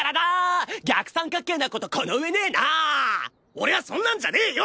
俺はそんなんじゃねえよ！